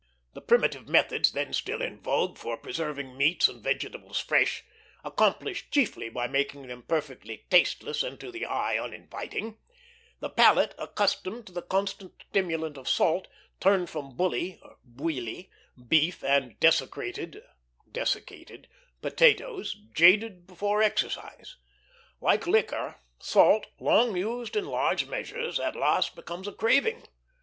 The primitive methods then still in vogue, for preserving meats and vegetables fresh, accomplished chiefly the making them perfectly tasteless, and to the eye uninviting; the palate, accustomed to the constant stimulant of salt, turned from "bully" (bouilli) beef and "desecrated" (dessicated) potatoes, jaded before exercise. Like liquor, salt, long used in large measures, at last becomes a craving.